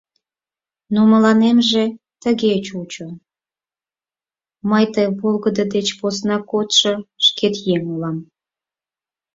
Но мыланемже тыге чучо – мый ты волгыдо деч посна кодшо шкет еҥ улам.